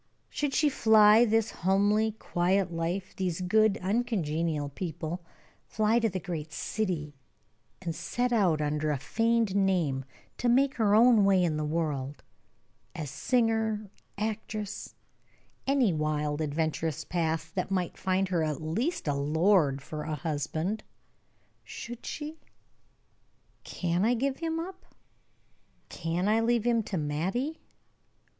Should she fly this homely, quiet life, these good, uncongenial people, fly to the great city, and set out under a feigned name to make her own way in the world, as singer, actress any wild, adventurous path that might find her at least a lord for a husband? Should she? "Can I give him up? Can I leave him to Mattie?